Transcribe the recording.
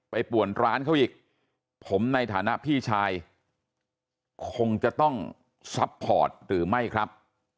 ป่วนร้านเขาอีกผมในฐานะพี่ชายคงจะต้องซัพพอร์ตหรือไม่ครับ